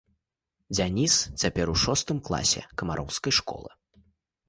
Дзяніс, цяпер у шостым класе камароўскай школы.